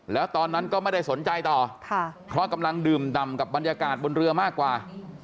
แล้วตอนนั้นก็ไม่ได้สนใจต่อเพราะกำลังดื่มดำกับบรรยากาศบนเรือมากกว่า